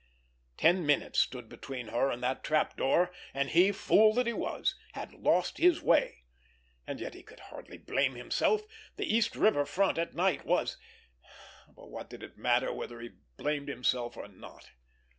Ten minutes stood between her and that trap door; and he, fool that he was, had lost his way! And yet he could hardly blame himself; the East River front at night was—but what did it matter whether he blamed himself or not!